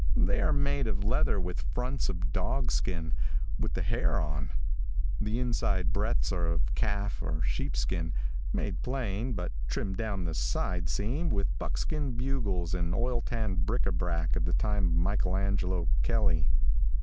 They are made of leather with fronts of dog skin with the hair on. The inside breadths are of calf or sheep skin, made plain, but trimmed down the side seam with buckskin bugles and oil tanned bric a brac of the time of Michael Angelo Kelley.